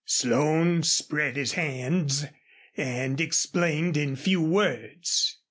Slone spread his hands and explained in few words.